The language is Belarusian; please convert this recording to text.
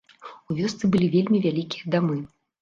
У вёсцы былі вельмі вялікія дамы.